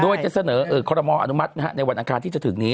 โดยจะเสนอคอรมออนุมัติในวันอังคารที่จะถึงนี้